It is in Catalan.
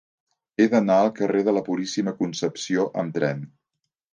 He d'anar al carrer de la Puríssima Concepció amb tren.